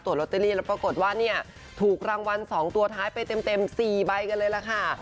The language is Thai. ลอตเตอรี่แล้วปรากฏว่าเนี่ยถูกรางวัล๒ตัวท้ายไปเต็ม๔ใบกันเลยล่ะค่ะ